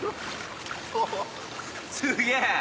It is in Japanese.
すげぇ。